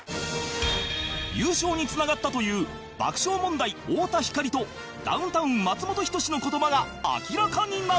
優勝につながったという爆笑問題太田光とダウンタウン松本人志の言葉が明らかになる